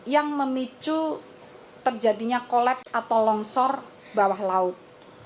yang memicu terjadinya kolaps atau longsor bawah laut